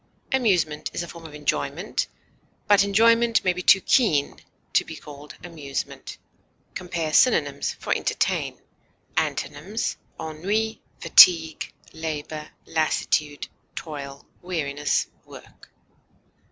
Amusement is a form of enjoyment, but enjoyment may be too keen to be called amusement. Compare synonyms for ENTERTAIN. Antonyms: ennui, fatigue, labor, lassitude, toil, weariness, work.